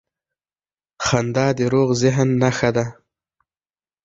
• خندا د روغ ذهن نښه ده.